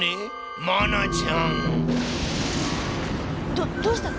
どどうしたの？